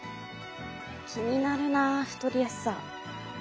気になるな太りやすさ。